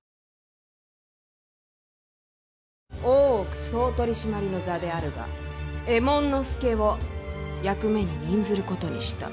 大奥総取締の座であるが右衛門佐を役目に任ずることにした。